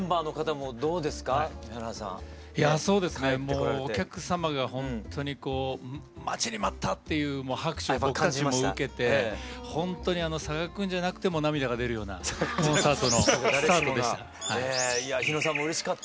もうお客さまがほんとにこう待ちに待ったっていう拍手を僕たちも受けてほんとに佐賀君じゃなくても涙が出るようなコンサートのスタートでした。